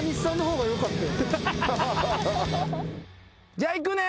じゃあいくね。